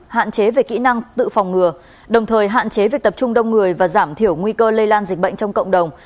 hạn chế về kỹ năng tự phòng ngừa đồng thời hạn chế việc tập trung đông người và giảm thiểu nguy cơ lây lan dịch bệnh trong cộng đồng